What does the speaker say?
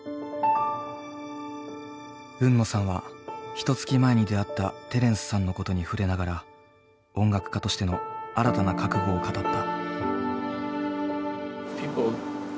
海野さんはひとつき前に出会ったテレンスさんのことに触れながら音楽家としての新たな覚悟を語った。